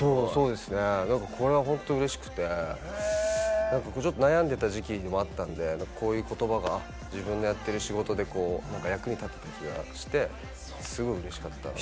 これはうれしくて、悩んでた時期でもあったんで、こういう言葉が自分がやっている仕事で役に立ったりして、すごい嬉しかった言葉です。